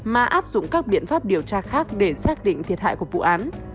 mà áp dụng các biện pháp điều tra khác để xác định thiệt hại của vụ án